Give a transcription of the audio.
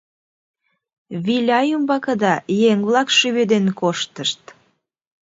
Виля ӱмбакыда еҥ-влак шӱведен коштышт!